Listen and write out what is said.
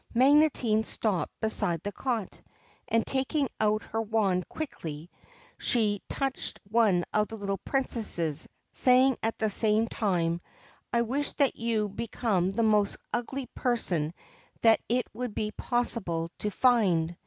Magotine stopped beside the cot, and, taking out her wand quickly, she touched one of the little Princesses, saying at the same time :' I wish that you become the most ugly person that it would be possible to find.'